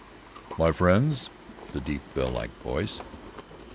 "My friends " the deep, bell like voice.